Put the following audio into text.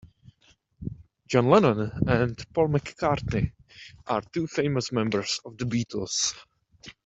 John Lennon and Paul McCartney are two famous members of the Beatles.